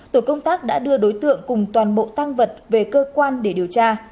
tổ công tác đã đưa đối tượng cùng toàn bộ tăng vật về cơ quan để điều tra